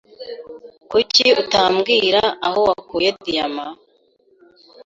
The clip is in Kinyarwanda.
Kuki utambwira aho wakuye diyama?